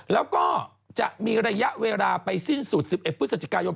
แล้วก็จะมีระยะเวลาไปสิ้นสุด๑๑พฤศจิกายน